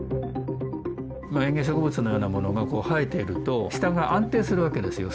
園芸植物のようなものがこう生えていると下が安定するわけですよ